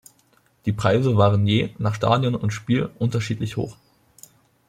Die Preise waren je nach Stadion und Spiel unterschiedlich hoch.